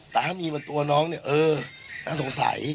แต่ถ้ามีมาตัวน้องนี่เออน่าสงสัย